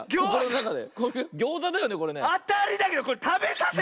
あたりだけどこれたべさせて！